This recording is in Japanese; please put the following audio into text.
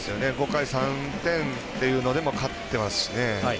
５回３点というのでも勝ってますしね。